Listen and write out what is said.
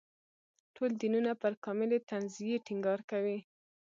ټول دینونه پر کاملې تنزیې ټینګار کوي.